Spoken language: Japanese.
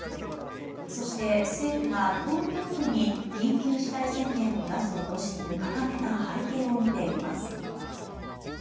そして、政府が東京都に緊急事態宣言を出す方針を固めた背景を見ていきます。